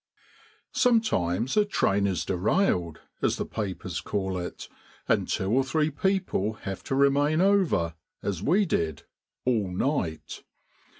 Sometimes a train is derailed, as the papers call it, and two or three people have to remain over, as we did, all night.